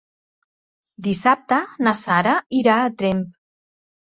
Dissabte na Sara irà a Tremp.